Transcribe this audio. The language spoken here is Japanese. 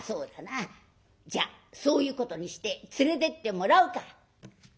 じゃあそういうことにして連れてってもらうか」。